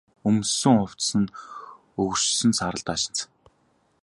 Өмссөн хувцас нь өгөршсөн саарал даашинз.